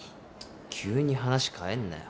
急に話変えんなよ